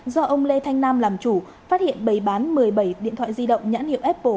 do ông lê thanh nam làm chủ phát hiện bày bán một mươi bảy điện thoại di động nhãn hiệu apple